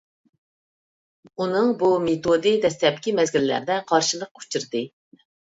ئۇنىڭ بۇ مېتودى دەسلەپكى مەزگىللەردە قارشىلىققا ئۇچرىدى.